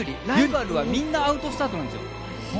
ライバルはみんなアウトスタートなんです。